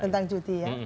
tentang cuti ya